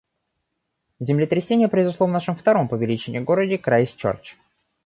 Землетрясение произошло в нашем втором по величине городе Крайстчёрч.